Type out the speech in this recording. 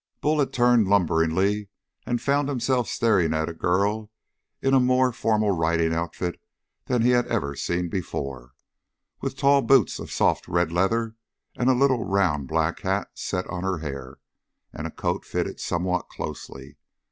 Bull had turned lumberingly, and he found himself staring at a girl in a more formal riding outfit than he had ever seen before, with tall boots of soft red leather, and a little round black hat set on her hair, and a coat fitted somewhat closely.